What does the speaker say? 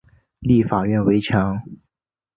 立法院围墙